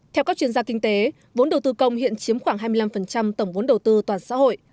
theo các chuyên gia kinh tế vốn đầu tư công hiện chiếm khoảng hai mươi năm tổng vốn đầu tư toàn xã hội